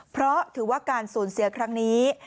เพราะถือว่าการสูญเสียครั้งนี้